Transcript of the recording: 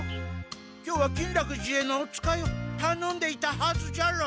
今日は金楽寺へのお使いをたのんでいたはずじゃろう。